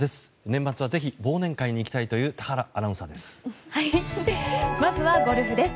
年末はぜひ忘年会に行きたいという田原アナウンサーです。